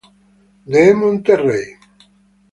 De Monterrey.